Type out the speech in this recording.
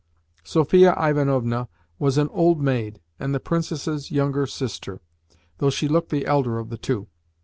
Sophia Ivanovna was an old maid and the Princess's younger sister, though she looked the elder of the two.